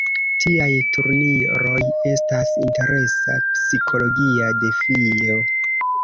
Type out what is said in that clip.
Tiaj turniroj estas interesa psikologia defio.